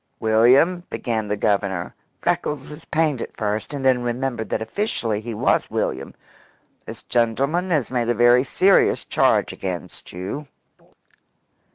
"William," began the Governor Freckles was pained at first, and then remembered that officially he was William "this gentleman has made a very serious charge against you."